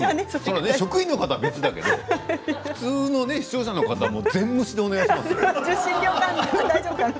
職員の方は別だけど普通の視聴者の方全無視で返します。